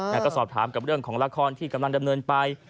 แล้วก็สอบถามกับเรื่องของละครที่กำลังดำเนินไป